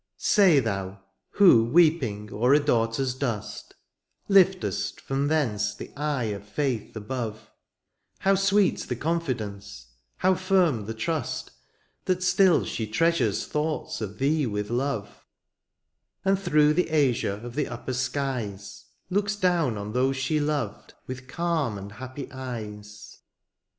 1 76 TO. Say thou, who weq>ing o'er a daughter's dust^ Ldftest firom ihence the eye of fedth above^ How sweet the confidence^ how firm the trusty That still she treasures thoughts of thee with love^ And through the azure of the upper skies Looks down on those she loved with calm and happy eyes.